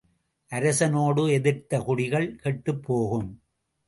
அரசனோடு எதிர்த்த குடிகள் கெட்டுப்போகும்.